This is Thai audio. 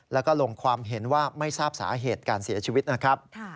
แล้วก็ลงความเห็นว่าไม่ทราบสาเหตุการเสียชีวิตนะครับ